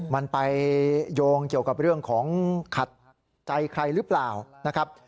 มันไปโยงเกี่ยวกับเรื่องของขัดใจใครหรือเปล่านะครับ